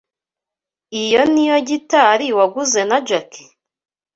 Iyo niyo gitari waguze na Jack?